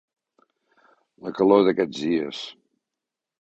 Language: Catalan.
La calor d'aquests dies.